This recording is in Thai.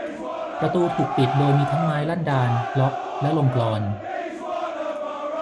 ประตูถูกปิดโดยมีทั้งไม้ลั่นดาล ล็อค และลงกลอน